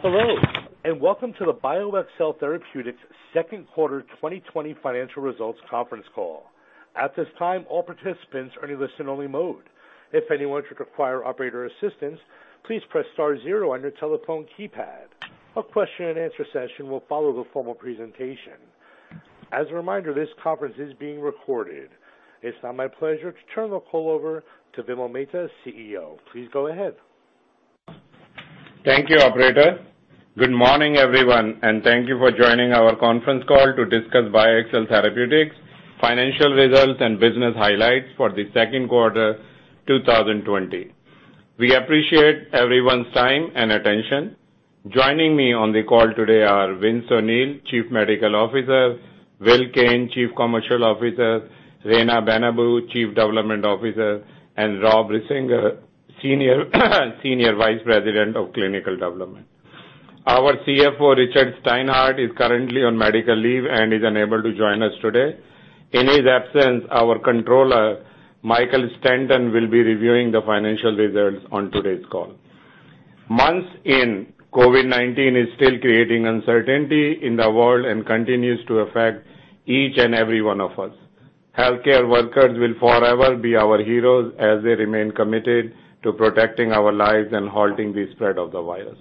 Hello, and welcome to the BioXcel Therapeutics Second Quarter 2020 Financial results Conference Call. It's now my pleasure to turn the call over to Vimal Mehta, CEO. Please go ahead. Thank you, operator. Good morning, everyone. Thank you for joining our conference call to discuss BioXcel Therapeutics' financial results and business highlights for the second quarter 2020. We appreciate everyone's time and attention. Joining me on the call today are Vince O'Neill, Chief Medical Officer, Will Kane, Chief Commercial Officer, Reina Benabou, Chief Development Officer, and Rob Risinger, Senior Vice President of Clinical Development. Our CFO, Richard Steinhart, is currently on medical leave and is unable to join us today. In his absence, our Controller, Michael Stanton, will be reviewing the financial results on today's call. Months in, COVID-19 is still creating uncertainty in the world and continues to affect each and every one of us. Healthcare workers will forever be our heroes as they remain committed to protecting our lives and halting the spread of the virus.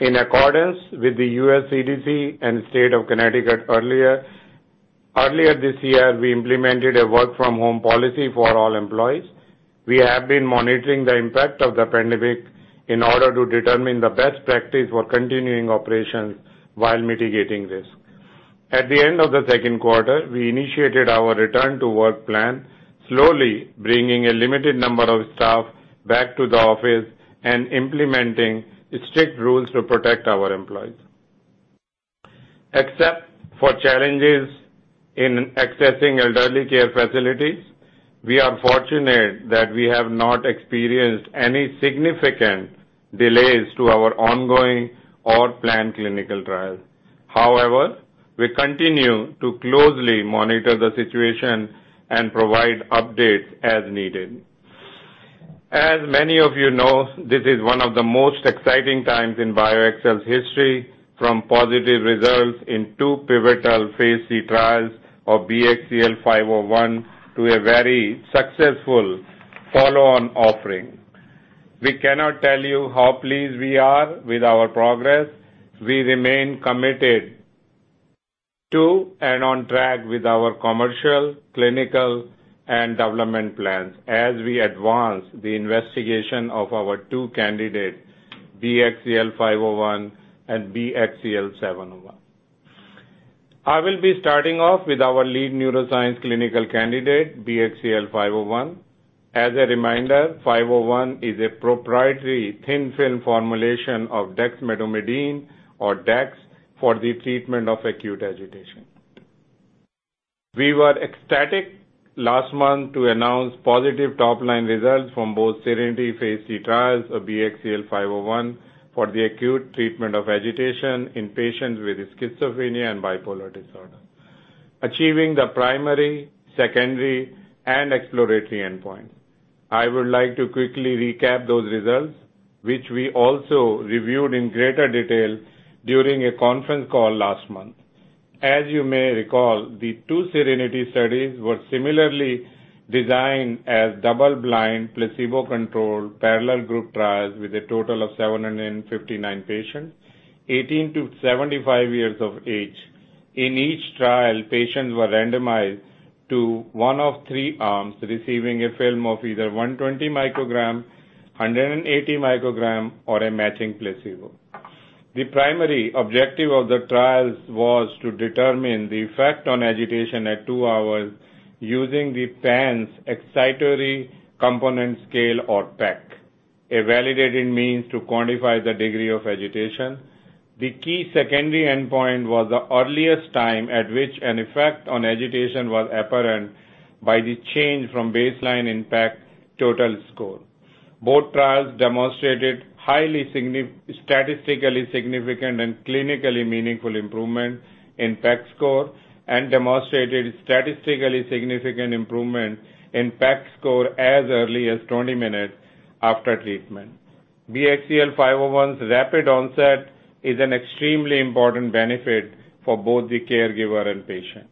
In accordance with the U.S. CDC and State of Connecticut earlier this year, we implemented a work from home policy for all employees. We have been monitoring the impact of the pandemic in order to determine the best practice for continuing operations while mitigating risk. At the end of the second quarter, we initiated our return to work plan, slowly bringing a limited number of staff back to the office and implementing strict rules to protect our employees. Except for challenges in accessing elderly care facilities, we are fortunate that we have not experienced any significant delays to our ongoing or planned clinical trials. However, we continue to closely monitor the situation and provide updates as needed. As many of you know, this is one of the most exciting times in BioXcel's history, from positive results in two pivotal phase III trials of BXCL501, to a very successful follow-on offering. We cannot tell you how pleased we are with our progress. We remain committed to and on track with our commercial, clinical, and development plans as we advance the investigation of our two candidates, BXCL501 and BXCL701. I will be starting off with our lead neuroscience clinical candidate, BXCL501. As a reminder, 501 is a proprietary thin film formulation of dexmedetomidine, or dex, for the treatment of acute agitation. We were ecstatic last month to announce positive top-line results from both SERENITY phase III trials of BXCL501 for the acute treatment of agitation in patients with schizophrenia and bipolar disorder, achieving the primary, secondary, and exploratory endpoint. I would like to quickly recap those results, which we also reviewed in greater detail during a conference call last month. As you may recall, the two SERENITY studies were similarly designed as double-blind, placebo-controlled parallel group trials with a total of 759 patients, 18-75 years of age. In each trial, patients were randomized to one of three arms, receiving a film of either 120 microgram, 180 microgram, or a matching placebo. The primary objective of the trials was to determine the effect on agitation at two hours using the PANSS Excitatory Component Scale, or PEC, a validated means to quantify the degree of agitation. The key secondary endpoint was the earliest time at which an effect on agitation was apparent by the change from baseline in PEC total score. Both trials demonstrated highly statistically significant and clinically meaningful improvement in PEC score and demonstrated statistically significant improvement in PEC score as early as 20 minutes after treatment. BXCL501's rapid onset is an extremely important benefit for both the caregiver and patient.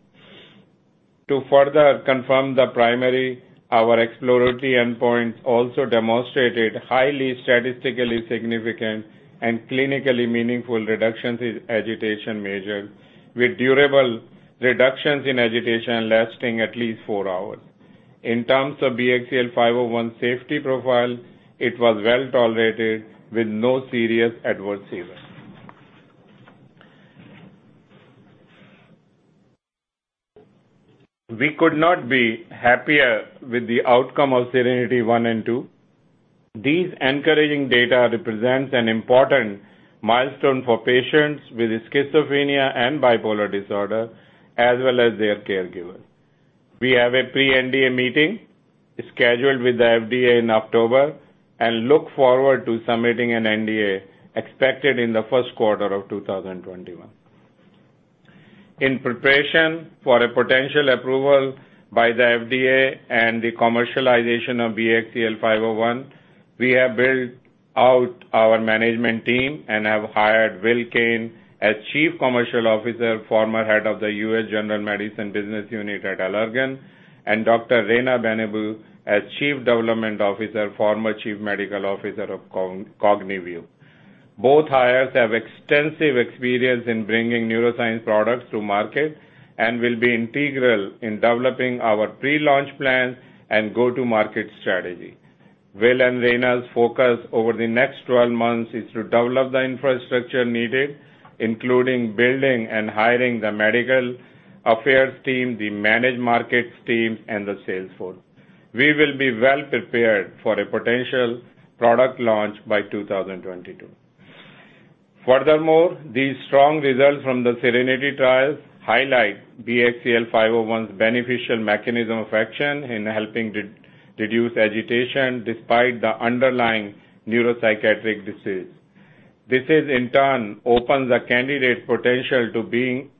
To further confirm the primary, our exploratory endpoints also demonstrated highly statistically significant and clinically meaningful reductions in agitation measured, with durable reductions in agitation lasting at least four hours. In terms of BXCL501's safety profile, it was well-tolerated with no serious adverse events. We could not be happier with the outcome of SERENITY I and II. These encouraging data represents an important milestone for patients with schizophrenia and bipolar disorder, as well as their caregivers. We have a pre-NDA meeting scheduled with the FDA in October and look forward to submitting an NDA expected in the first quarter of 2021. In preparation for a potential approval by the FDA and the commercialization of BXCL501, we have built out our management team and have hired Will Kane as Chief Commercial Officer, former head of the U.S. General Medicine Business Unit at Allergan, and Dr. Reina Benabou as Chief Development Officer, former Chief Medical Officer of Cognivue. Both hires have extensive experience in bringing neuroscience products to market and will be integral in developing our pre-launch plan and go-to-market strategy. Will and Reina's focus over the next 12 months is to develop the infrastructure needed, including building and hiring the medical affairs team, the managed markets team, and the sales force. We will be well-prepared for a potential product launch by 2022. Furthermore, these strong results from the SERENITY trials highlight BXCL501's beneficial mechanism of action in helping reduce agitation despite the underlying neuropsychiatric disease. This, in turn, opens a candidate potential to being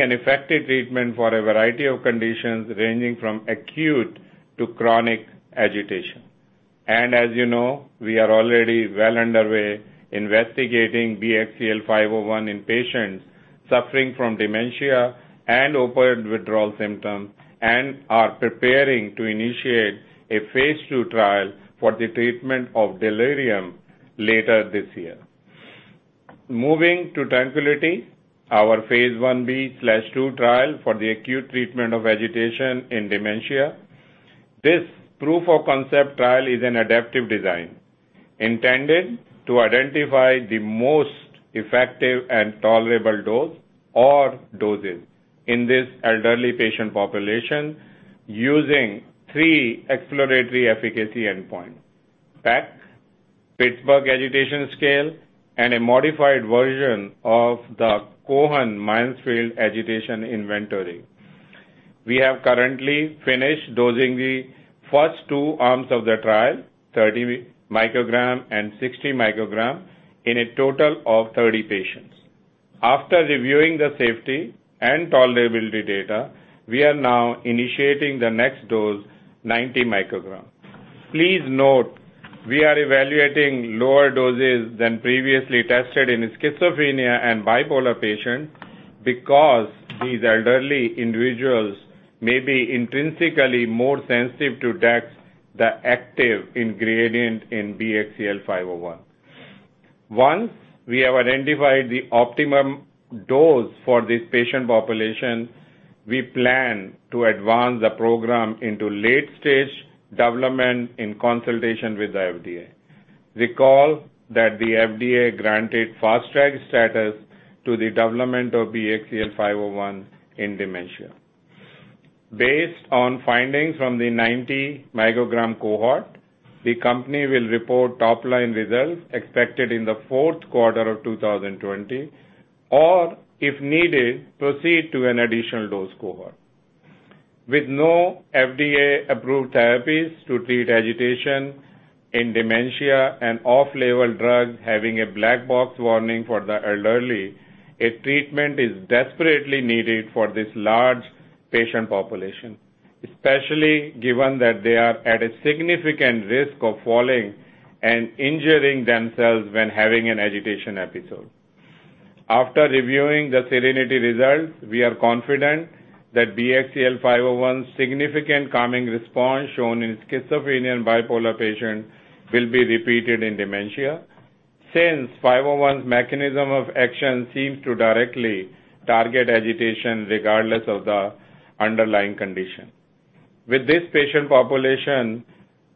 an effective treatment for a variety of conditions, ranging from acute to chronic agitation. As you know, we are already well underway investigating BXCL501 in patients suffering from dementia and opioid withdrawal symptoms and are preparing to initiate a phase II trial for the treatment of delirium later this year. Moving to TRANQUILITY, our phase I-B/II trial for the acute treatment of agitation in dementia. This proof of concept trial is an adaptive design intended to identify the most effective and tolerable dose or doses in this elderly patient population using three exploratory efficacy endpoints, PAS, Pittsburgh Agitation Scale, and a modified version of the Cohen-Mansfield Agitation Inventory. We have currently finished dosing the first two arms of the trial, 30 microgram and 60 microgram, in a total of 30 patients. After reviewing the safety and tolerability data, we are now initiating the next dose, 90 micrograms. Please note, we are evaluating lower doses than previously tested in schizophrenia and bipolar patients because these elderly individuals may be intrinsically more sensitive to dex, the active ingredient in BXCL501. Once we have identified the optimum dose for this patient population, we plan to advance the program into late-stage development in consultation with the FDA. Recall that the FDA granted Fast Track status to the development of BXCL501 in dementia. Based on findings from the 90-microgram cohort, the company will report top-line results expected in the fourth quarter of 2020, or, if needed, proceed to an additional dose cohort. With no FDA-approved therapies to treat agitation in dementia and off-label drugs having a black box warning for the elderly, a treatment is desperately needed for this large patient population, especially given that they are at a significant risk of falling and injuring themselves when having an agitation episode. After reviewing the SERENITY results, we are confident that BXCL501's significant calming response shown in schizophrenia and bipolar patients will be repeated in dementia, since 501's mechanism of action seems to directly target agitation regardless of the underlying condition. With this patient population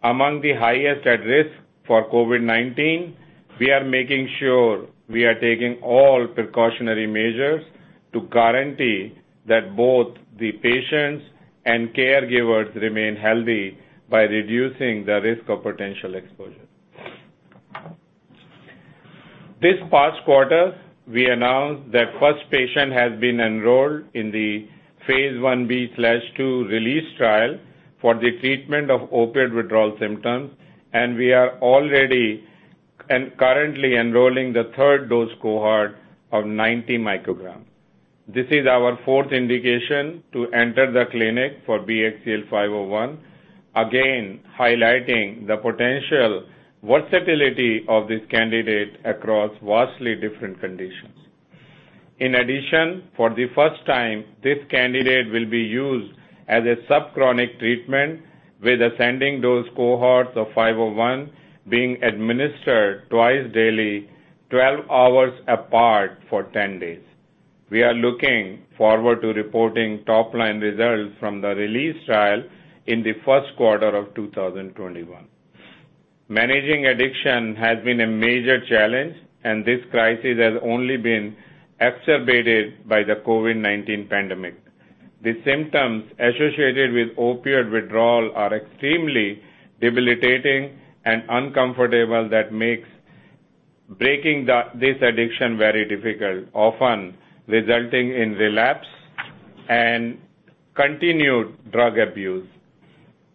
among the highest at risk for COVID-19, we are making sure we are taking all precautionary measures to guarantee that both the patients and caregivers remain healthy by reducing the risk of potential exposure. This past quarter, we announced the first patient has been enrolled in the phase I-B/II RELEASE trial for the treatment of opioid withdrawal symptoms, and we are already and currently enrolling the third dose cohort of 90 micrograms. This is our fourth indication to enter the clinic for BXCL501, again highlighting the potential versatility of this candidate across vastly different conditions. In addition, for the first time, this candidate will be used as a subchronic treatment with ascending those cohorts of 501 being administered twice daily, 12 hours apart for 10 days. We are looking forward to reporting top-line results from the RELEASE trial in the first quarter of 2021. Managing addiction has been a major challenge, and this crisis has only been exacerbated by the COVID-19 pandemic. The symptoms associated with opioid withdrawal are extremely debilitating and uncomfortable that makes breaking this addiction very difficult, often resulting in relapse and continued drug abuse.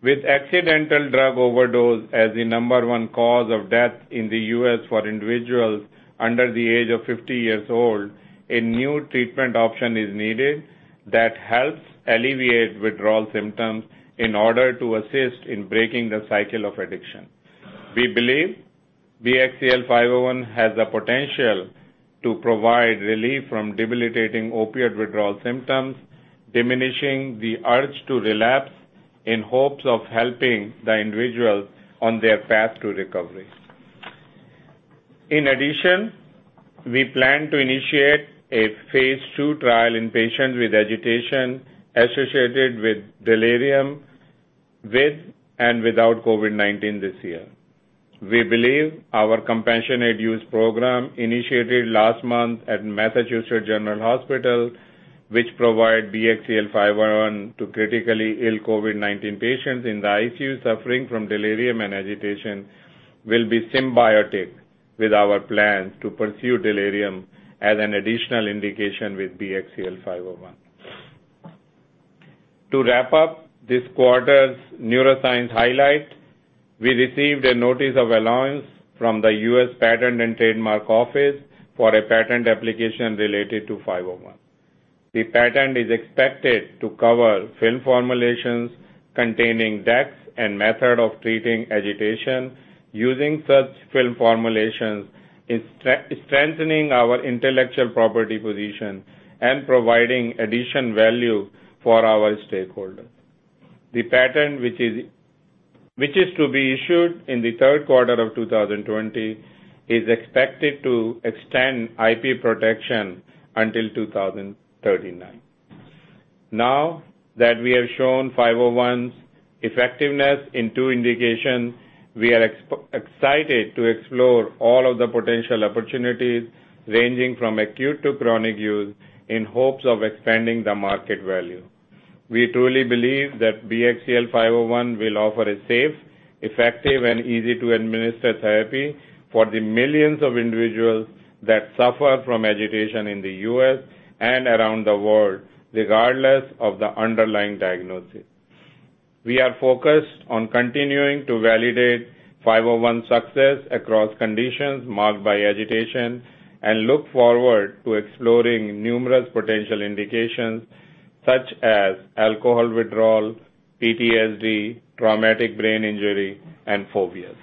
With accidental drug overdose as the number one cause of death in the U.S. for individuals under the age of 50 years old, a new treatment option is needed that helps alleviate withdrawal symptoms in order to assist in breaking the cycle of addiction. We believe BXCL501 has the potential to provide relief from debilitating opioid withdrawal symptoms, diminishing the urge to relapse in hopes of helping the individual on their path to recovery. In addition, we plan to initiate a phase II trial in patients with agitation associated with delirium, with and without COVID-19 this year. We believe our compassionate use program, initiated last month at Massachusetts General Hospital, which provide BXCL501 to critically ill COVID-19 patients in the ICU suffering from delirium and agitation, will be symbiotic with our plans to pursue delirium as an additional indication with BXCL501. To wrap up this quarter's neuroscience highlight, we received a notice of allowance from the U.S. Patent and Trademark Office for a patent application related to 501. The patent is expected to cover film formulations containing dex, and method of treating agitation using such film formulations, strengthening our intellectual property position and providing additional value for our stakeholders. The patent, which is to be issued in the third quarter of 2020, is expected to extend IP protection until 2039. Now that we have shown 501's effectiveness in two indications, we are excited to explore all of the potential opportunities, ranging from acute to chronic use, in hopes of expanding the market value. We truly believe that BXCL501 will offer a safe, effective, and easy-to-administer therapy for the millions of individuals that suffer from agitation in the U.S. and around the world, regardless of the underlying diagnosis. We are focused on continuing to validate 501 success across conditions marked by agitation and look forward to exploring numerous potential indications such as alcohol withdrawal, PTSD, traumatic brain injury, and phobias.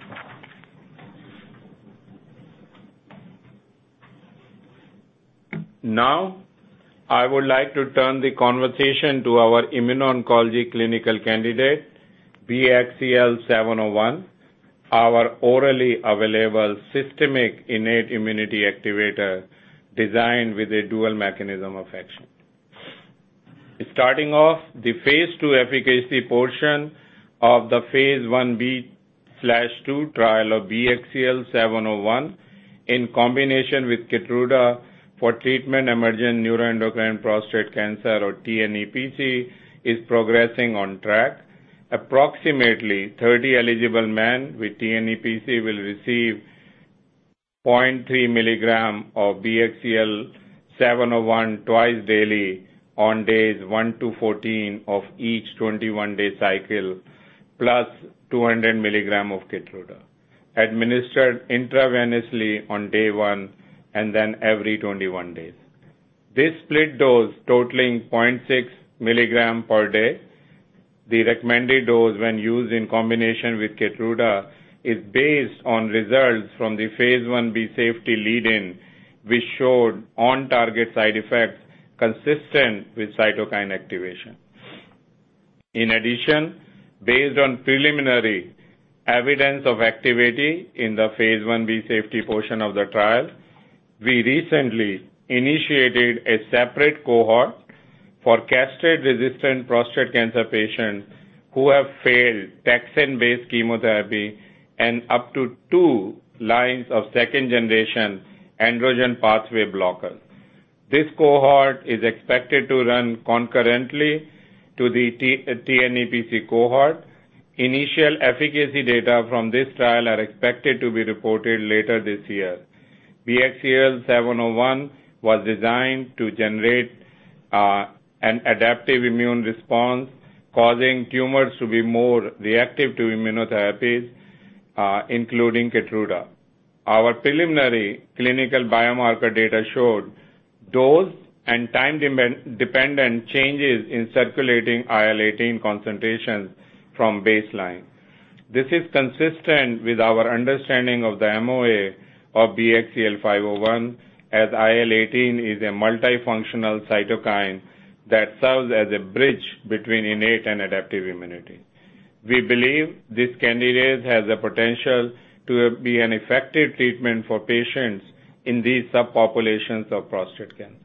Now, I would like to turn the conversation to our immuno-oncology clinical candidate, BXCL701, our orally available systemic innate immunity activator designed with a dual mechanism of action. Starting off the phase II efficacy portion of the phase I-B/II trial of BXCL701 in combination with Keytruda for treatment-emergent neuroendocrine prostate cancer, or tNEPC, is progressing on track. Approximately 30 eligible men with tNEPC will receive 0.3 milligram of BXCL701 twice daily on days 1-14 of each 21-day cycle, plus 200 milligram of Keytruda, administered intravenously on day one and then every 21 days. This split dose totaling 0.6 milligram per day, the recommended dose when used in combination with Keytruda, is based on results from the phase I-B safety lead-in, which showed on-target side effects consistent with cytokine activation. Based on preliminary evidence of activity in the phase I-B safety portion of the trial, we recently initiated a separate cohort for castrate-resistant prostate cancer patients who have failed taxane-based chemotherapy and up to two lines of second-generation androgen pathway blockers. This cohort is expected to run concurrently to the tNEPC cohort. Initial efficacy data from this trial are expected to be reported later this year. BXCL701 was designed to generate an adaptive immune response, causing tumors to be more reactive to immunotherapies, including Keytruda. Our preliminary clinical biomarker data showed dose and time-dependent changes in circulating IL-18 concentrations from baseline. This is consistent with our understanding of the MOA of BXCL501, as IL-18 is a multifunctional cytokine that serves as a bridge between innate and adaptive immunity. We believe this candidate has the potential to be an effective treatment for patients in these subpopulations of prostate cancer.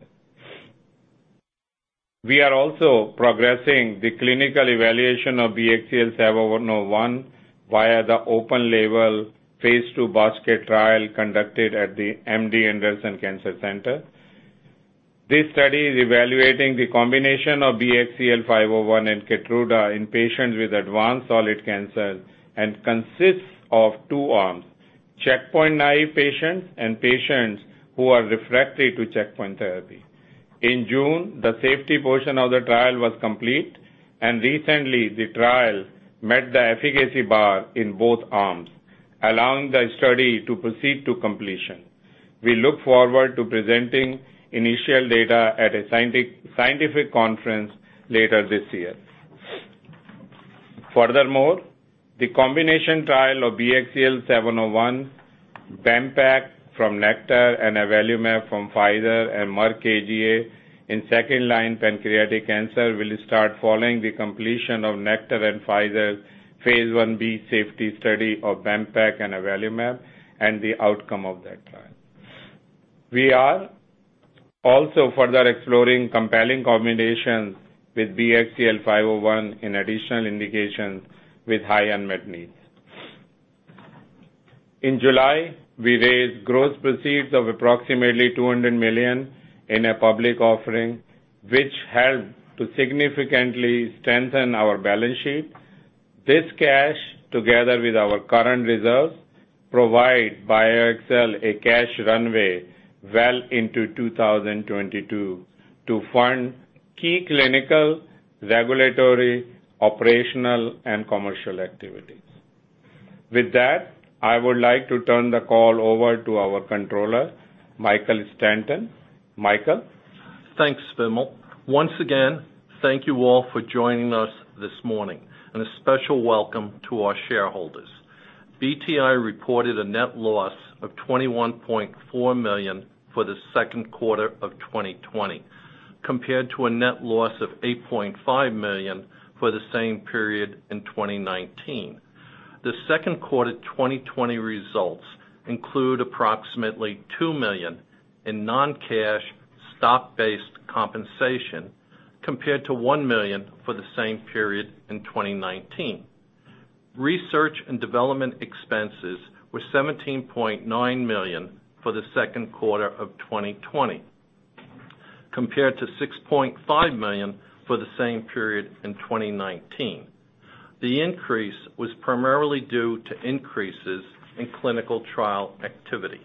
We are also progressing the clinical evaluation of BXCL701 via the open-label phase II basket trial conducted at the MD Anderson Cancer Center. This study is evaluating the combination of BXCL501 and Keytruda in patients with advanced solid cancers and consists of two arms, checkpoint-naive patients and patients who are refractory to checkpoint therapy. In June, the safety portion of the trial was complete, and recently the trial met the efficacy bar in both arms, allowing the study to proceed to completion. We look forward to presenting initial data at a scientific conference later this year. The combination trial of BXCL701, BEMPEG from Nektar and avelumab from Pfizer and Merck KGaA in second-line pancreatic cancer will start following the completion of Nektar and Pfizer's phase I-B safety study of BEMPEG and avelumab, and the outcome of that trial. We are also further exploring compelling combinations with BXCL501 in additional indications with high unmet needs. In July, we raised gross proceeds of approximately $200 million in a public offering, which helped to significantly strengthen our balance sheet. This cash, together with our current reserves, provide BioXcel a cash runway well into 2022 to fund key clinical, regulatory, operational and commercial activities. With that, I would like to turn the call over to our controller, Michael Stanton. Michael? Thanks, Vimal. Once again, thank you all for joining us this morning, and a special welcome to our shareholders. BTAI reported a net loss of $21.4 million for the second quarter of 2020, compared to a net loss of $8.5 million for the same period in 2019. The second quarter 2020 results include approximately $2 million in non-cash stock-based compensation, compared to $1 million for the same period in 2019. Research and development expenses were $17.9 million for the second quarter of 2020, compared to $6.5 million for the same period in 2019. The increase was primarily due to increases in clinical trial activity.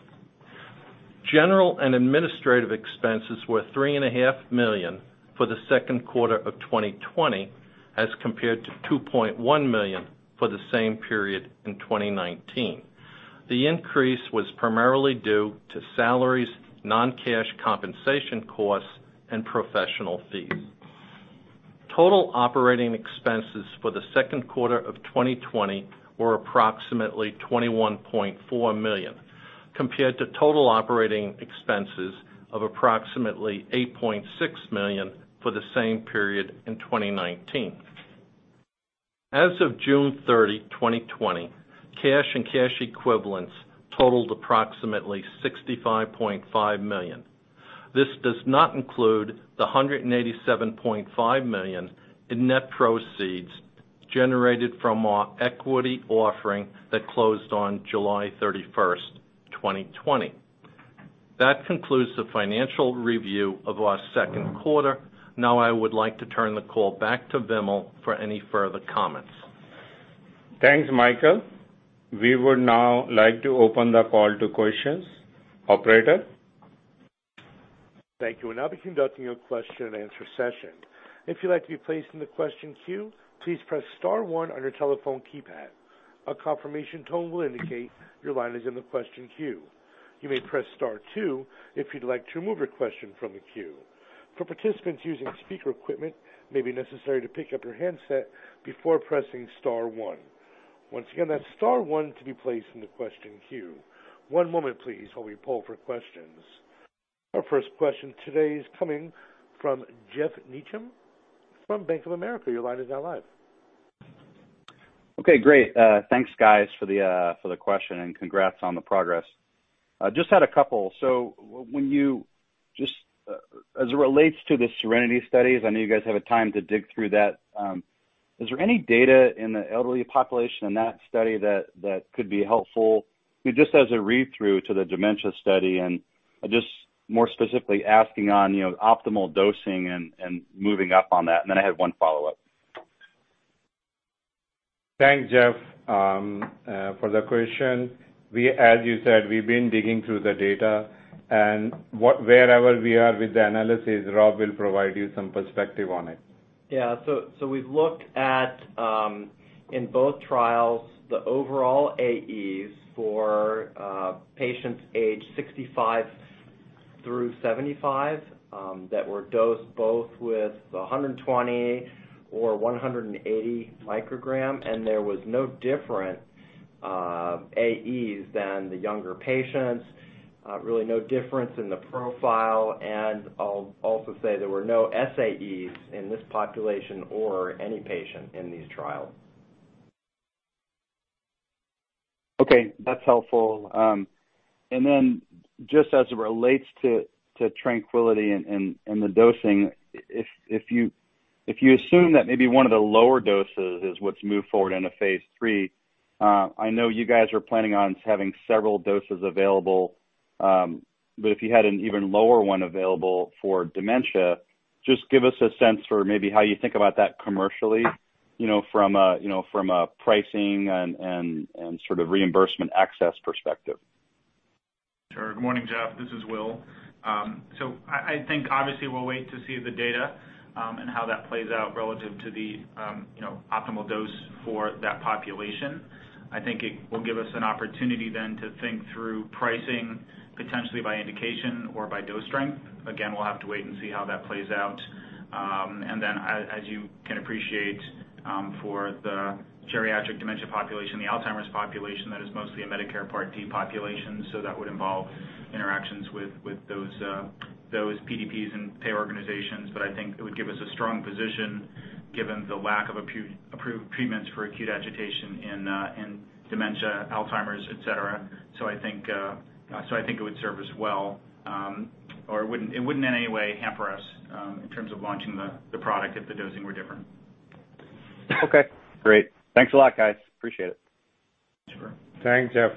General and administrative expenses were $3.5 million for the second quarter of 2020, as compared to $2.1 million for the same period in 2019. The increase was primarily due to salaries, non-cash compensation costs, and professional fees. Total operating expenses for the second quarter of 2020 were approximately $21.4 million, compared to total operating expenses of approximately $8.6 million for the same period in 2019. As of June 30, 2020, cash and cash equivalents totaled approximately $65.5 million. This does not include the $187.5 million in net proceeds generated from our equity offering that closed on July 31st, 2020. That concludes the financial review of our second quarter. Now I would like to turn the call back to Vimal for any further comments. Thanks, Michael. We would now like to open the call to questions. Operator? Thank you. We'll now be conducting a question and answer session. If you'd like to be placed in the question queue, please press star one on your telephone keypad. A confirmation tone will indicate your line is in the question queue. You may press star two if you'd like to remove your question from the queue. For participants using speaker equipment, it may be necessary to pick up your handset before pressing star one. Once again, that's star one to be placed in the question queue. One moment, please, while we poll for questions. Our first question today is coming from Geoff Meacham from Bank of America. Your line is now live. Okay, great. Thanks guys for the question and congrats on the progress. Just had a couple. As it relates to the SERENITY studies, I know you guys have had time to dig through that. Is there any data in the elderly population in that study that could be helpful? Just as a read-through to the dementia study, and just more specifically asking on optimal dosing and moving up on that. Then I have one follow-up. Thanks, Geoff, for the question. As you said, we've been digging through the data, and wherever we are with the analysis, Rob will provide you some perspective on it. We've looked at, in both trials, the overall AEs for patients aged 65 through 75 that were dosed both with 120 or 180 microgram. There was no different AEs than the younger patients, really no difference in the profile. I'll also say there were no SAEs in this population or any patient in these trials. Okay, that's helpful. Just as it relates to Tranquility and the dosing, if you assume that maybe one of the lower doses is what's moved forward into phase III, I know you guys are planning on having several doses available. If you had an even lower one available for dementia, just give us a sense for maybe how you think about that commercially from a pricing and sort of reimbursement access perspective. Sure. Good morning, Geoff. This is Will. I think obviously we'll wait to see the data, and how that plays out relative to the optimal dose for that population. I think it will give us an opportunity then to think through pricing potentially by indication or by dose strength. Again, we'll have to wait and see how that plays out. As you can appreciate for the geriatric dementia population, the Alzheimer's population, that is mostly a Medicare Part D population, so that would involve interactions with those PDPs and pay organizations. I think it would give us a strong position given the lack of approved treatments for acute agitation in dementia, Alzheimer's, et cetera. I think it would serve us well, or it wouldn't in any way hamper us, in terms of launching the product if the dosing were different. Okay, great. Thanks a lot, guys. Appreciate it. Sure. Thanks, Geoff.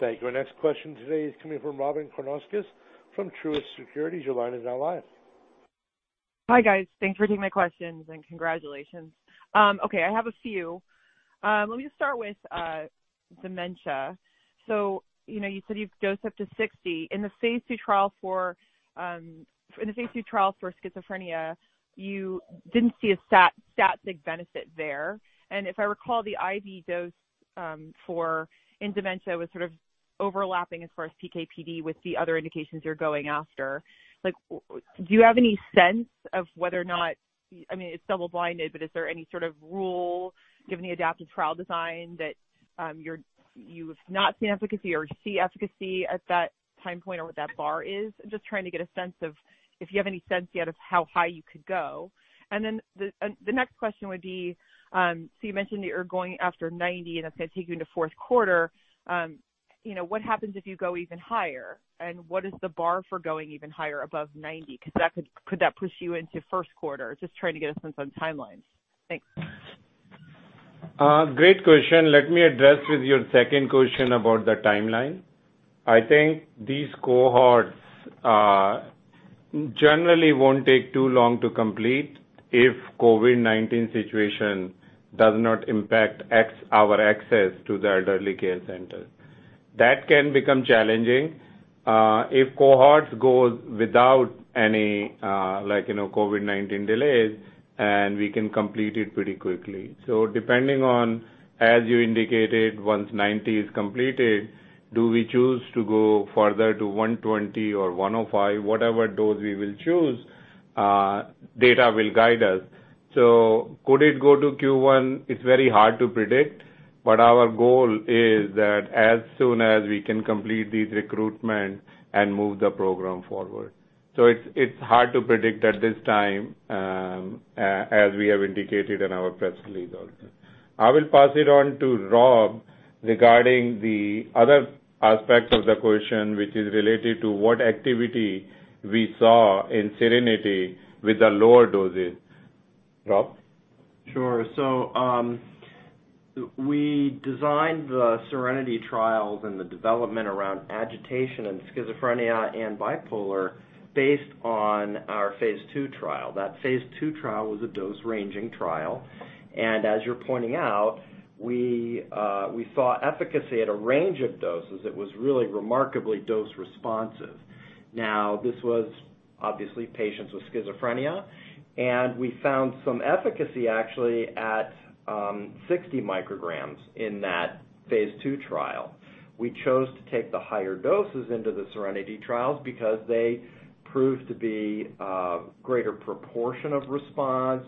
Thank you. Our next question today is coming from Robyn Karnauskas from Truist Securities. Your line is now live. Hi, guys. Thanks for taking my questions and congratulations. Okay, I have a few. Let me start with dementia. You said you'd dose up to 60. In the phase II trial for schizophrenia, you didn't see a statistic benefit there. If I recall, the IV dose for in dementia was sort of overlapping as far as PK/PD with the other indications you're going after. Do you have any sense of whether or not It's double-blinded, but is there any sort of rule given the adaptive trial design that you've not seen efficacy or see efficacy at that time point or what that bar is? Just trying to get a sense of if you have any sense yet of how high you could go. The next question would be, so you mentioned that you're going after 90 and that's going to take you into fourth quarter. What happens if you go even higher? What is the bar for going even higher above 90? Could that push you into first quarter? Just trying to get a sense on timelines. Thanks. Great question. Let me address with your second question about the timeline. I think these cohorts, generally won't take too long to complete if COVID-19 situation does not impact our access to the elderly care centers. That can become challenging, if cohorts goes without any COVID-19 delays, and we can complete it pretty quickly. Depending on, as you indicated, once 90 is completed, do we choose to go further to 120 or 105, whatever dose we will choose, data will guide us. Could it go to Q1? It's very hard to predict, but our goal is that as soon as we can complete these recruitment and move the program forward. It's hard to predict at this time, as we have indicated in our press release also. I will pass it on to Rob regarding the other aspects of the question, which is related to what activity we saw in SERENITY with the lower doses. Rob? Sure. We designed the SERENITY trials and the development around agitation and schizophrenia and bipolar based on our phase II trial. That phase II trial was a dose-ranging trial. As you're pointing out, we saw efficacy at a range of doses. It was really remarkably dose responsive. This was obviously patients with schizophrenia, and we found some efficacy actually at 60 micrograms in that phase II trial. We chose to take the higher doses into the SERENITY trials because they proved to be a greater proportion of response,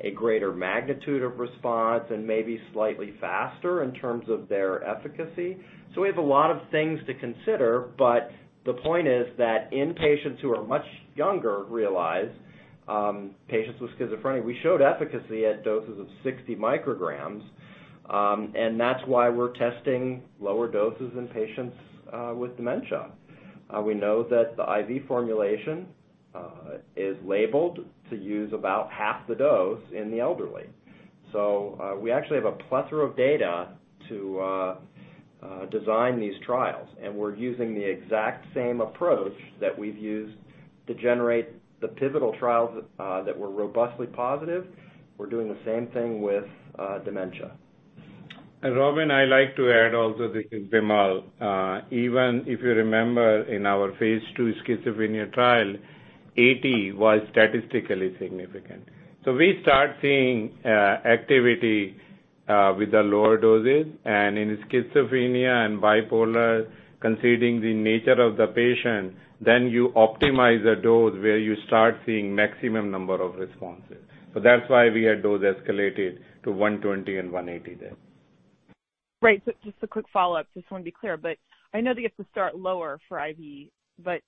a greater magnitude of response, and maybe slightly faster in terms of their efficacy. We have a lot of things to consider, but the point is that in patients who are much younger, realize, patients with schizophrenia, we showed efficacy at doses of 60 micrograms. That's why we're testing lower doses in patients with dementia. We know that the IV formulation is labeled to use about half the dose in the elderly. We actually have a plethora of data to design these trials, and we're using the exact same approach that we've used to generate the pivotal trials that were robustly positive. We're doing the same thing with dementia. Robyn, I like to add also this is Vimal. Even if you remember in our phase II schizophrenia trial, 80 was statistically significant. We start seeing activity with the lower doses and in schizophrenia and bipolar, considering the nature of the patient, then you optimize the dose where you start seeing maximum number of responses. That's why we had dose escalated to 120 and 180 there. Right. Just a quick follow-up, just want to be clear, but I know that you have to start lower for IV, but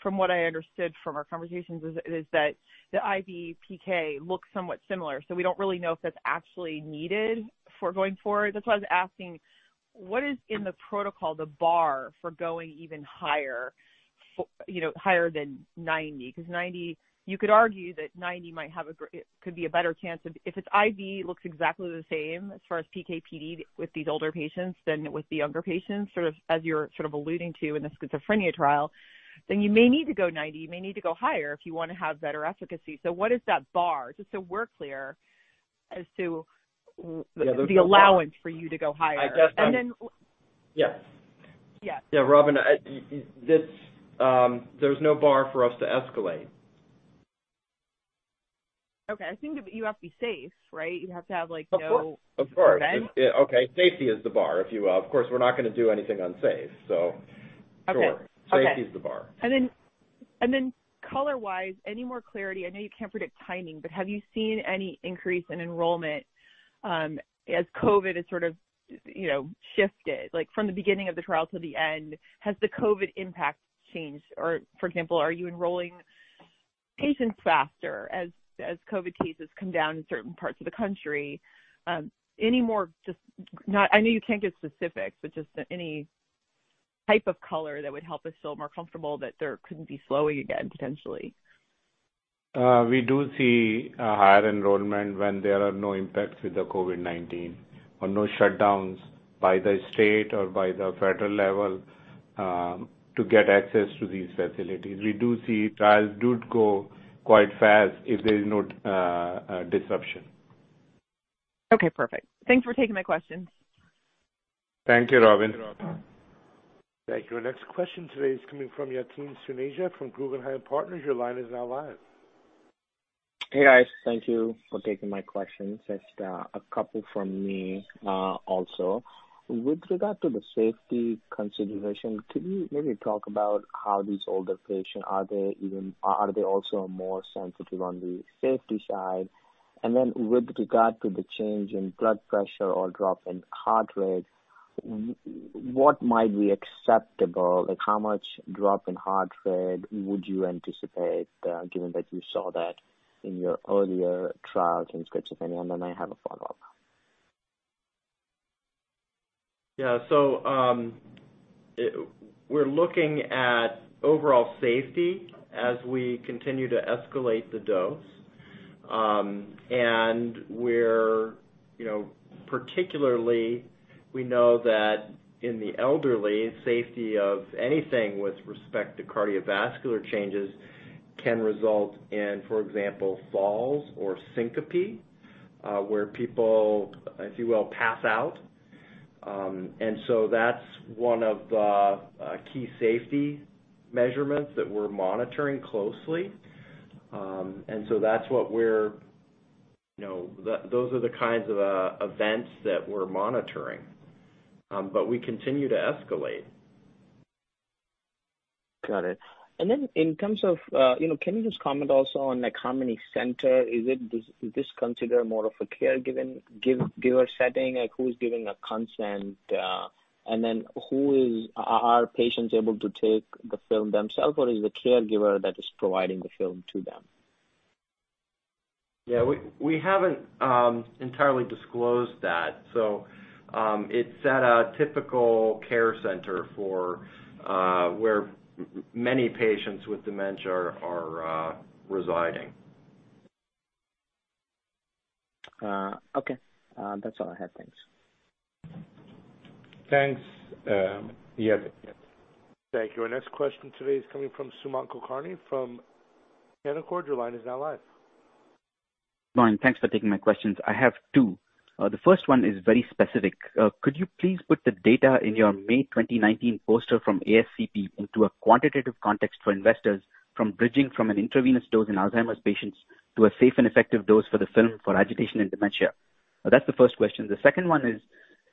from what I understood from our conversations is that the IV PK looks somewhat similar, so we don't really know if that's actually needed for going forward. That's why I was asking, what is in the protocol, the bar for going even higher than 90? Because 90, you could argue that 90 could be a better chance of If its IV looks exactly the same as far as PK/PD with these older patients than with the younger patients, sort of as you're alluding to in the schizophrenia trial, then you may need to go 90. You may need to go higher if you want to have better efficacy. What is that bar? Just so we're clear as to the allowance for you to go higher. Yes. Yes. Yeah, Robyn, there's no bar for us to escalate. Okay. I think you have to be safe, right? You have to have like no- Of course. Okay. Safety is the bar. Of course, we're not going to do anything unsafe. Sure. Okay. Safety is the bar. Color-wise, any more clarity, I know you can't predict timing, but have you seen any increase in enrollment as COVID has sort of shifted? From the beginning of the trial till the end, has the COVID impact changed? For example, are you enrolling patients faster as COVID cases come down in certain parts of the country? I know you can't give specifics, but just any type of color that would help us feel more comfortable that there couldn't be slowing again, potentially. We do see a higher enrollment when there are no impacts with the COVID-19 or no shutdowns by the state or by the federal level, to get access to these facilities. We do see trials do go quite fast if there's no disruption. Okay, perfect. Thanks for taking my questions. Thank you, Robyn. Thank you. Our next question today is coming from Yatin Suneja from Guggenheim Partners. Your line is now live. Hey, guys. Thank you for taking my questions. Just a couple from me, also. With regard to the safety consideration, could you maybe talk about how these older patients, are they also more sensitive on the safety side? With regard to the change in blood pressure or drop in heart rate, what might be acceptable? How much drop in heart rate would you anticipate, given that you saw that in your earlier trials in schizophrenia? I have a follow-up. Yeah. We're looking at overall safety as we continue to escalate the dose. Particularly, we know that in the elderly, safety of anything with respect to cardiovascular changes can result in, for example, falls or syncope, where people, if you will, pass out. That's one of the key safety measurements that we're monitoring closely. Those are the kinds of events that we're monitoring. We continue to escalate. Got it. Can you just comment also on how many center, is this considered more of a caregiver setting? Who's giving a consent, are patients able to take the film themselves, or is the caregiver that is providing the film to them? Yeah. We haven't entirely disclosed that. It's at a typical care center where many patients with dementia are residing. Okay. That's all I have. Thanks. Thanks, Yatin. Thank you. Our next question today is coming from Sumant Kulkarni from Canaccord. Your line is now live. Sumant, thanks for taking my questions. I have two. The first one is very specific. Could you please put the data in your May 2019 poster from ASCP into a quantitative context for investors from bridging from an intravenous dose in Alzheimer's patients to a safe and effective dose for the film for agitation and dementia? That's the first question. The second one is,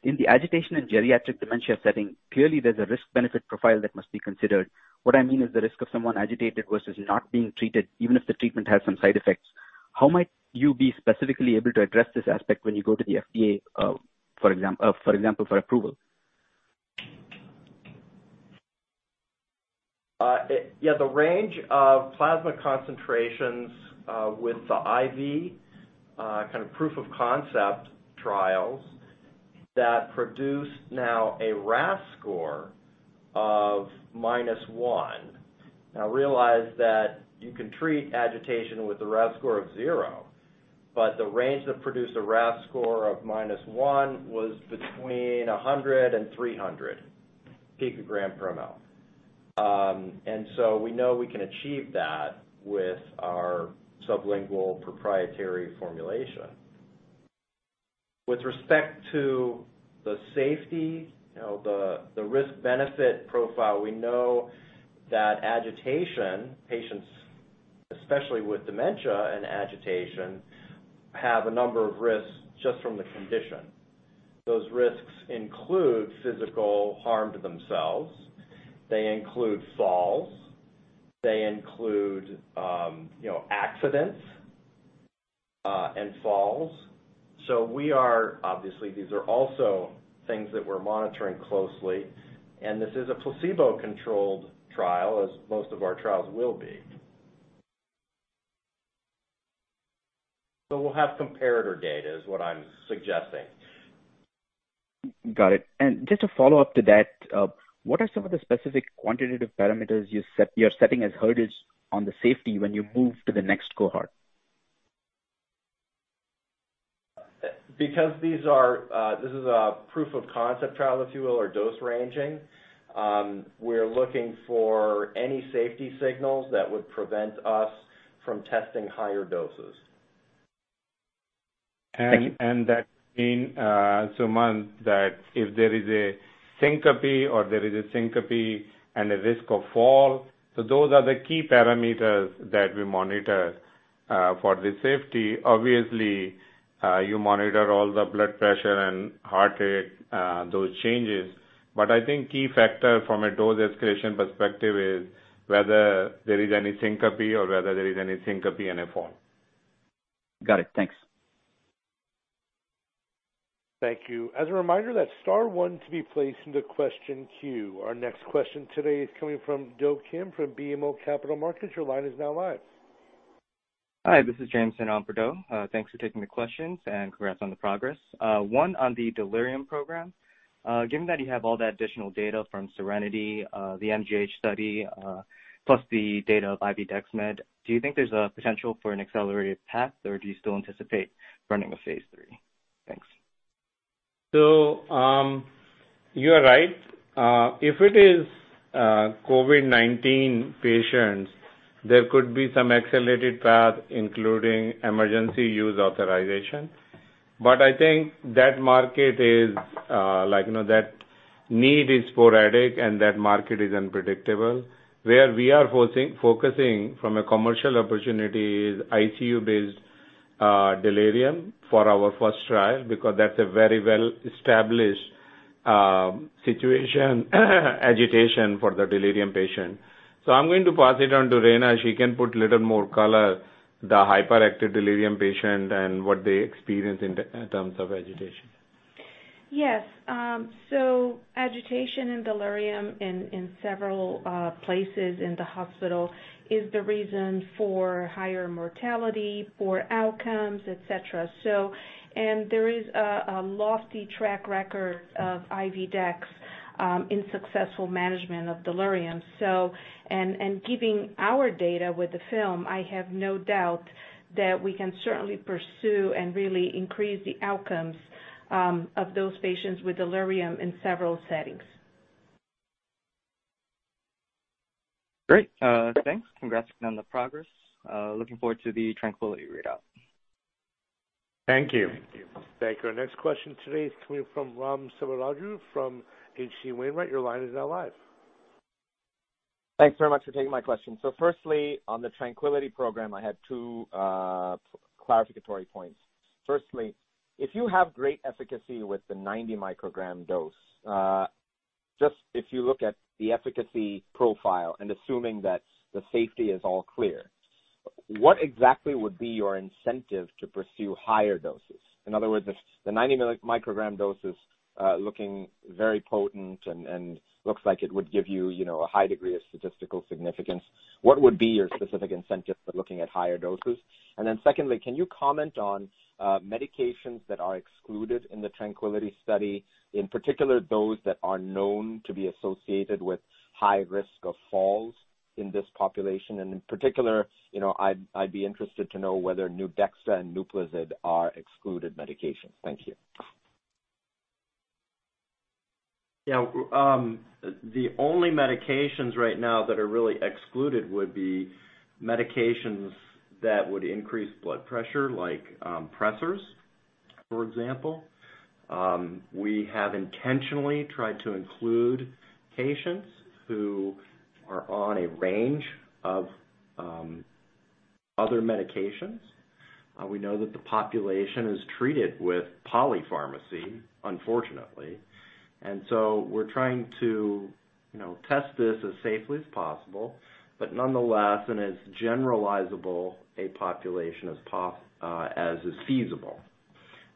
in the agitation and geriatric dementia setting, clearly there's a risk-benefit profile that must be considered. What I mean is the risk of someone agitated versus not being treated, even if the treatment has some side effects. How might you be specifically able to address this aspect when you go to the FDA, for example, for approval? Yeah. The range of plasma concentrations with the IV proof of concept trials that produce now a RASS score of minus one. Realize that you can treat agitation with a RASS score of zero, but the range that produced a RASS score of minus one was between 100 and 300 picogram per mL. We know we can achieve that with our sublingual proprietary formulation. With respect to the safety, the risk-benefit profile, we know that agitation, patients, especially with dementia and agitation, have a number of risks just from the condition. Those risks include physical harm to themselves. They include falls. They include accidents and falls. Obviously, these are also things that we're monitoring closely, and this is a placebo-controlled trial, as most of our trials will be. We'll have comparator data, is what I'm suggesting. Got it. Just a follow-up to that, what are some of the specific quantitative parameters you're setting as hurdles on the safety when you move to the next cohort? This is a proof of concept trial, if you will, or dose ranging, we're looking for any safety signals that would prevent us from testing higher doses. That means, Sumant, that if there is a syncope or there is a syncope and a risk of fall. Those are the key parameters that we monitor for the safety. Obviously, you monitor all the blood pressure and heart rate, those changes. I think key factor from a dose escalation perspective is whether there is any syncope or whether there is any syncope and a fall. Got it. Thanks. Thank you. As a reminder, that's star one to be placed into question queue. Our next question today is coming from Do Kim from BMO Capital Markets. Your line is now live. Hi, this is James from BMO. Thanks for taking the questions. Congrats on the progress. One on the delirium program. Given that you have all that additional data from SERENITY, the MGH study, plus the data of IV dexmed, do you think there's a potential for an accelerated path, or do you still anticipate running a phase III? Thanks. You are right. If it is COVID-19 patients, there could be some accelerated path, including emergency use authorization. I think that market is like, that need is sporadic and that market is unpredictable. Where we are focusing from a commercial opportunity is ICU-based delirium for our first trial, because that's a very well-established situation, agitation for the delirium patient. I'm going to pass it on to Reina. She can put little more color, the hyperactive delirium patient and what they experience in terms of agitation. Yes. Agitation and delirium in several places in the hospital is the reason for higher mortality, poor outcomes, et cetera. There is a lofty track record of IV dex in successful management of delirium. Given our data with the film, I have no doubt that we can certainly pursue and really increase the outcomes of those patients with delirium in several settings. Great. Thanks. Congrats on the progress. Looking forward to the Tranquility readout. Thank you. Thank you. Our next question today is coming from Ram Selvaraju from H.C. Wainwright. Your line is now live. Thanks very much for taking my question. Firstly, on the TRANQUILITY program, I had two clarificatory points. Firstly, if you have great efficacy with the 90 microgram dose, just if you look at the efficacy profile and assuming that the safety is all clear, what exactly would be your incentive to pursue higher doses? In other words, if the 90 microgram dose is looking very potent and looks like it would give you a high degree of statistical significance, what would be your specific incentive for looking at higher doses? Secondly, can you comment on medications that are excluded in the TRANQUILITY study, in particular, those that are known to be associated with high risk of falls in this population? In particular, I'd be interested to know whether Nuedexta and NUPLAZID are excluded medications. Thank you. Yeah. The only medications right now that are really excluded would be medications that would increase blood pressure, like pressors, for example. We have intentionally tried to include patients who are on a range of other medications. We know that the population is treated with polypharmacy, unfortunately. We're trying to test this as safely as possible, but nonetheless, in as generalizable a population as is feasible.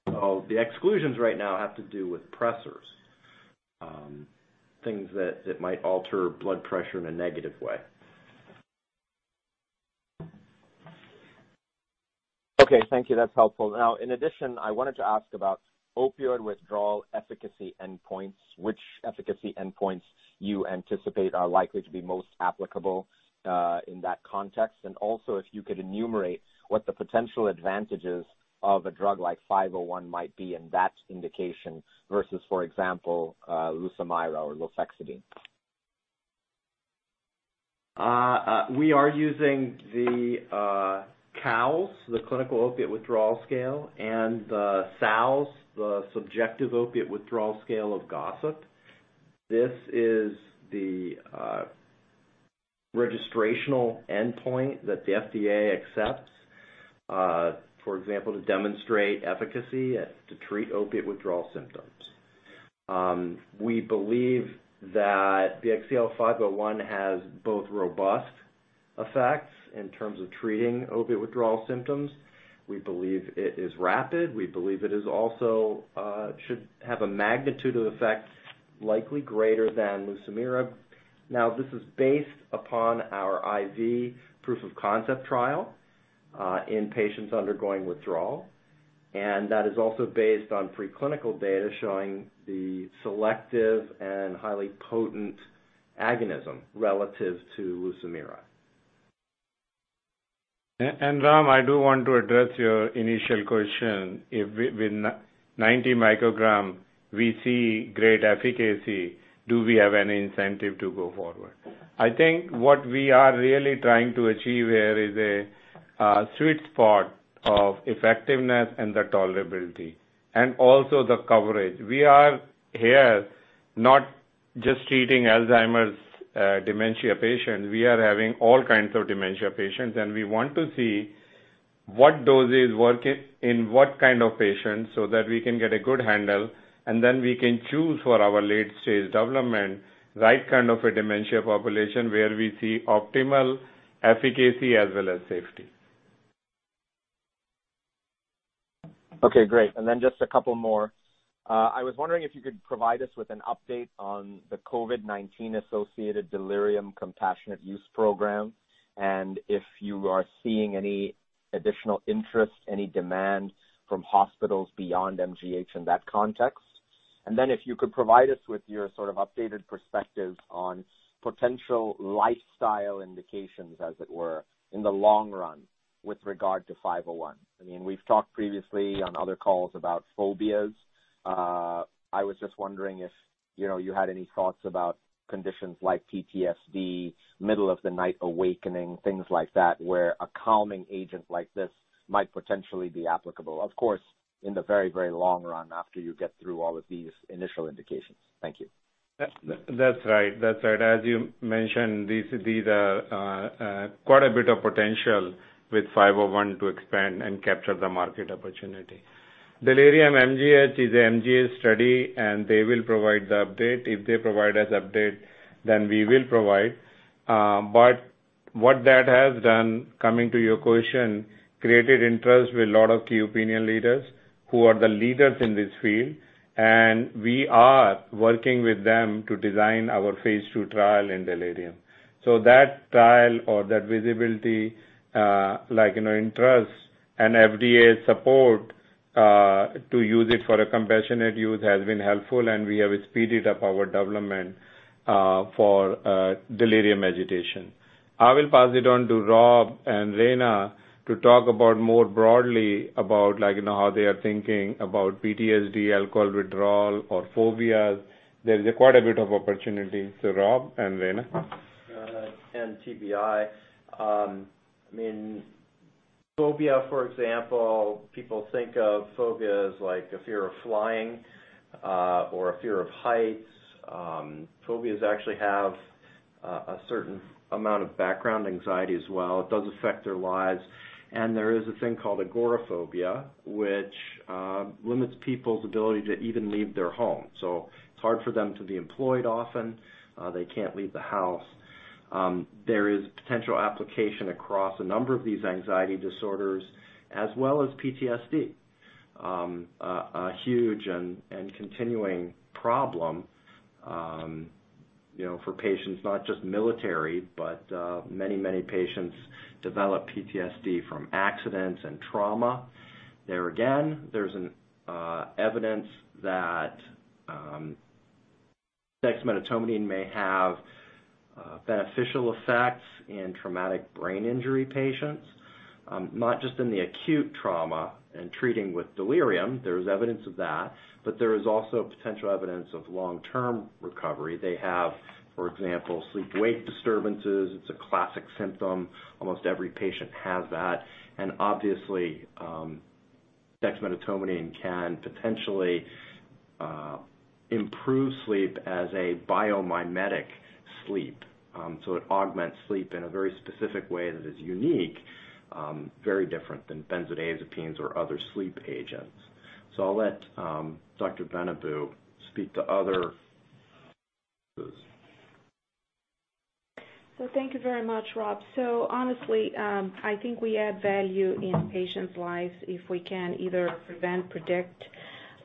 The exclusions right now have to do with pressors, things that might alter blood pressure in a negative way. Okay. Thank you. That's helpful. In addition, I wanted to ask about opioid withdrawal efficacy endpoints, which efficacy endpoints you anticipate are likely to be most applicable in that context? If you could enumerate what the potential advantages of a drug like 501 might be in that indication versus, for example, Lucemyra or lofexidine. We are using the COWS, the Clinical Opiate Withdrawal Scale, and the SOWS, the Subjective Opiate Withdrawal Scale of Gossop. This is the registrational endpoint that the FDA accepts, for example, to demonstrate efficacy to treat opiate withdrawal symptoms. We believe that the BXCL501 has both robust effects in terms of treating opiate withdrawal symptoms. We believe it is rapid. We believe it also should have a magnitude of effects likely greater than Lucemyra. Now, this is based upon our IV proof of concept trial in patients undergoing withdrawal, and that is also based on preclinical data showing the selective and highly potent agonism relative to Lucemyra. Ram, I do want to address your initial question. If with 90 microgram we see great efficacy, do we have any incentive to go forward? I think what we are really trying to achieve here is a sweet spot of effectiveness and the tolerability, and also the coverage. We are here not just treating Alzheimer's dementia patients. We are having all kinds of dementia patients, and we want to see what doses work in what kind of patients so that we can get a good handle, and then we can choose for our late-stage development, right kind of a dementia population where we see optimal efficacy as well as safety. Okay, great. Just a couple more. I was wondering if you could provide us with an update on the COVID-19 associated delirium compassionate use program, and if you are seeing any additional interest, any demand from hospitals beyond MGH in that context. If you could provide us with your sort of updated perspective on potential lifestyle indications, as it were, in the long run with regard to 501. We've talked previously on other calls about phobias. I was just wondering if you had any thoughts about conditions like PTSD, middle of the night awakening, things like that, where a calming agent like this might potentially be applicable. Of course, in the very long run, after you get through all of these initial indications. Thank you. That's right. As you mentioned, these are quite a bit of potential with 501 to expand and capture the market opportunity. Delirium MGH is a MGH study, and they will provide the update. If they provide us update, then we will provide. What that has done, coming to your question, created interest with a lot of key opinion leaders who are the leaders in this field, and we are working with them to design our phase II trial in delirium. That trial or that visibility, like in our interest and FDA support, to use it for a compassionate use has been helpful, and we have speeded up our development for delirium agitation. I will pass it on to Rob and Reina to talk about more broadly about how they are thinking about PTSD, alcohol withdrawal, or phobias. There is quite a bit of opportunity. Rob and Reina. mTBI. Phobia, for example, people think of phobia as like a fear of flying or a fear of heights. Phobias actually have a certain amount of background anxiety as well. It does affect their lives. There is a thing called agoraphobia, which limits people's ability to even leave their home. It's hard for them to be employed often. They can't leave the house. There is potential application across a number of these anxiety disorders as well as PTSD. A huge and continuing problem for patients, not just military, but many patients develop PTSD from accidents and trauma. There again, there's an evidence that dexmedetomidine may have beneficial effects in traumatic brain injury patients, not just in the acute trauma and treating with delirium. There's evidence of that, there is also potential evidence of long-term recovery. They have, for example, sleep-wake disturbances. It's a classic symptom. Almost every patient has that. Obviously, dexmedetomidine can potentially improve sleep as a biomimetic sleep. It augments sleep in a very specific way that is unique, very different than benzodiazepines or other sleep agents. I'll let Dr. Benabou speak to other uses. Thank you very much, Rob. Honestly, I think we add value in patients' lives if we can either prevent, predict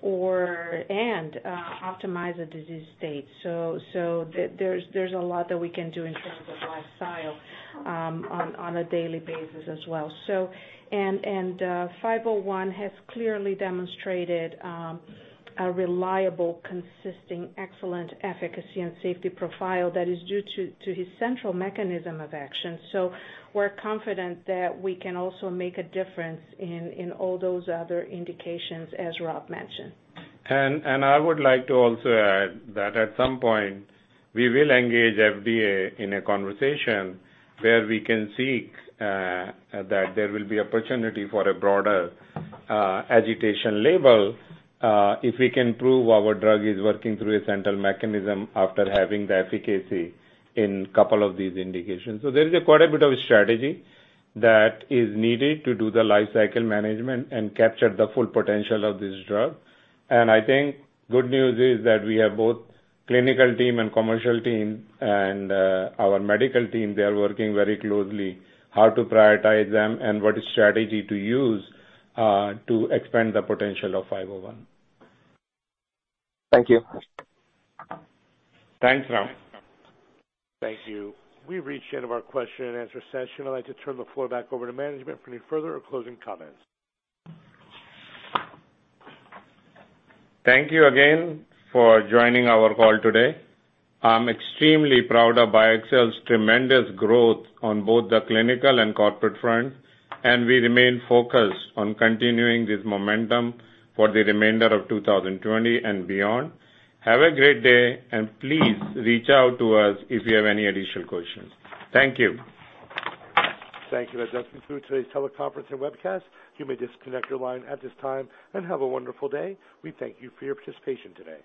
or, and optimize a disease state. There's a lot that we can do in terms of lifestyle on a daily basis as well. 501 has clearly demonstrated a reliable, consisting excellent efficacy and safety profile that is due to its central mechanism of action. We're confident that we can also make a difference in all those other indications, as Rob mentioned. I would like to also add that at some point, we will engage FDA in a conversation where we can seek that there will be opportunity for a broader agitation label if we can prove our drug is working through a central mechanism after having the efficacy in a couple of these indications. There is quite a bit of strategy that is needed to do the life cycle management and capture the full potential of this drug. I think good news is that we have both clinical team and commercial team and our medical team. They are working very closely how to prioritize them and what strategy to use to expand the potential of 501. Thank you. Thanks, Ram. Thank you. We've reached the end of our question and answer session. I'd like to turn the floor back over to management for any further or closing comments. Thank you again for joining our call today. I'm extremely proud of BioXcel Therapeutics' tremendous growth on both the clinical and corporate front, and we remain focused on continuing this momentum for the remainder of 2020 and beyond. Have a great day, and please reach out to us if you have any additional questions. Thank you. Thank you. That does it for today's teleconference and webcast. You may disconnect your line at this time, and have a wonderful day. We thank you for your participation today.